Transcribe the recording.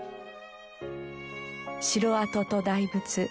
城跡と大仏。